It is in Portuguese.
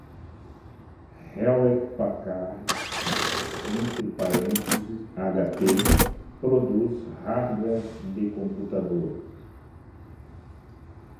Hewlett-Packard (HP) produz hardware de computador.